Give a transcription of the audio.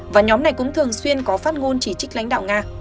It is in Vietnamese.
và nhóm này cũng thường xuyên có phát ngôn chỉ trích lãnh đạo nga